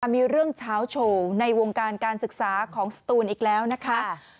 มีเรื่องเช้าโชว์ในวงการการศึกษาของสตูนอีกแล้วนะคะ